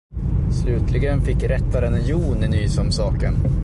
Slutligen fick rättaren Jon nys om saken.